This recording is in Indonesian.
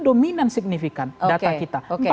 dominan signifikan data kita